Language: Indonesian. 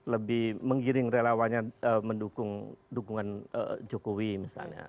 lebih menggiring relawannya mendukung dukungan jokowi misalnya